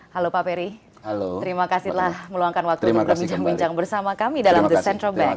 halo pak peri terima kasih telah meluangkan waktunya berbincang bincang bersama kami dalam the central bank